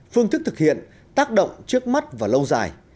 phương thức thực hiện tác động trước mắt và lâu dài